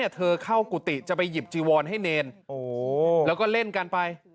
เธอเข้ากุฏิจะไปหยิบจีวอนให้เนรแล้วก็เล่นกันไป